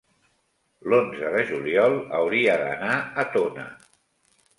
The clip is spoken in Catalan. l'onze de juliol hauria d'anar a Tona.